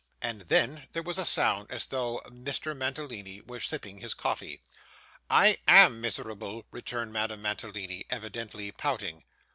And then, there was a sound as though Mr. Mantalini were sipping his coffee. 'I AM miserable,' returned Madame Mantalini, evidently pouting.